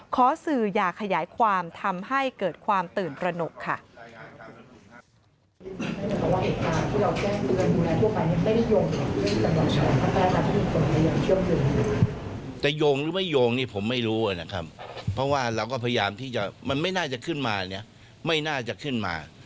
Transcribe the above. ขอสื่ออย่าขยายความทำให้เกิดความตื่นตระหนกค่ะ